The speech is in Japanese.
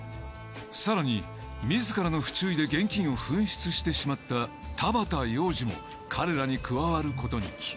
さらに自らの不注意で現金を紛失してしまった田端洋司も彼らに加わる事に。